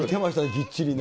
ぎっちりね。